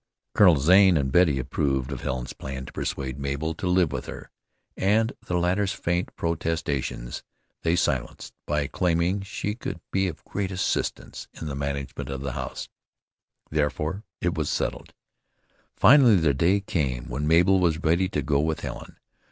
Colonel Zane and Betty approved of Helen's plan to persuade Mabel to live with her, and the latter's faint protestations they silenced by claiming she could be of great assistance in the management of the house, therefore it was settled. Finally the day came when Mabel was ready to go with Helen.